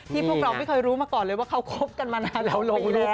พวกเราไม่เคยรู้มาก่อนเลยว่าเขาคบกันมานานหลายปีแล้ว